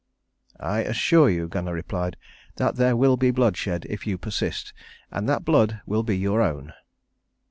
"I assure you," Gunnar replied, "that there will be bloodshed if you persist, and that blood will be your own."